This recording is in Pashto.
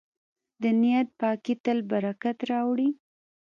د نیت پاکي تل برکت راوړي.